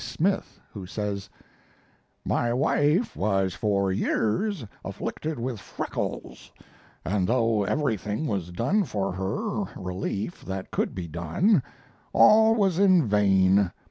Smith, who says: My wife was for years afflicted with freckles, and though everything was done for her relief that could be done, all was in vain.